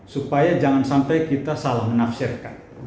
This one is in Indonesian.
supaya jangan sampai kita salah menafsirkan